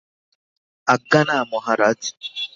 আজ্ঞা না মহারাজ।